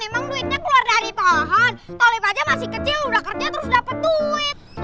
emang duitnya keluar dari pohon tolip aja masih kecil udah kerja terus dapet duit